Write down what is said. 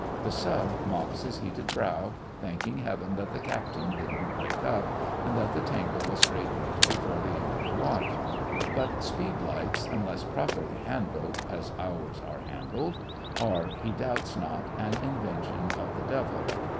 The Sub mops his heated brow, thanking Heaven that the Captain didn't wake up, and that the tangle was straightened before the end of the watch. But speed lights unless properly handled—as ours are handled—are, he doubts not, an invention of the Devil.